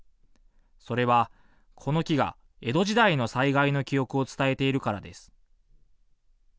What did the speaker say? それは、この木が江戸時代の災害の記憶を伝えているからです。